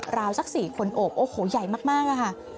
ราวศักดิ์สี่ขนโอบโอ้โหใหญ่มากมากอะค่ะ